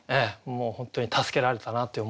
もう本当に助けられたなという思いで。